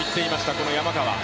この山川。